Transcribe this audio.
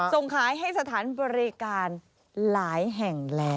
ส่งขายให้สถานบริการหลายแห่งแล้ว